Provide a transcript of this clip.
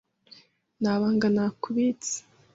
Nta banga nakubitse.